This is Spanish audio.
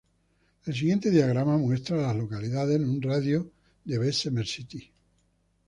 El siguiente diagrama muestra a las localidades en un radio de de Bessemer City.